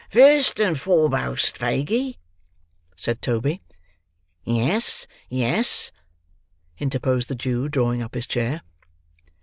"First and foremost, Faguey," said Toby. "Yes, yes!" interposed the Jew, drawing up his chair. Mr.